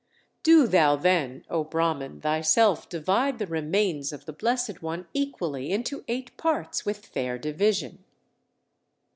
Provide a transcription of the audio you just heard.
"Do thou then, O Brahman, thyself divide the remains of the Blessed One equally into eight parts with fair division."